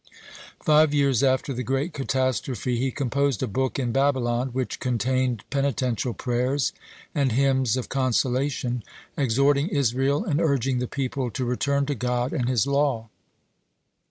(67) Five years after the great catastrophe, he composed a book in Babylon, (68) which contained penitential prayers and hymns of consolation, exhorting Israel and urging the people to return to God and His law.